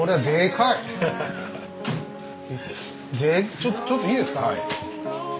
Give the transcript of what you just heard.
ちょっとちょっといいですか？